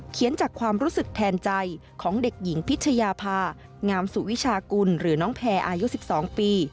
จากความรู้สึกแทนใจของเด็กหญิงพิชยาภางามสุวิชากุลหรือน้องแพรอายุ๑๒ปี